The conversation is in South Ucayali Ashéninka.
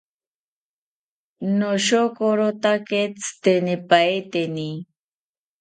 Noshokorotake tzitenipaeteni